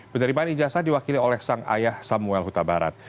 penerimaan ijazah diwakili oleh sang ayah samuel huta barat